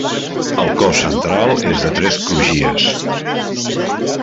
El cos central és de tres crugies.